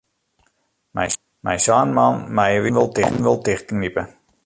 Mei sa'n man meie wy ús de hannen wol tichtknipe.